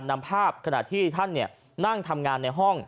นำภาพขณะที่ท่านนั่งทำงานในห้อง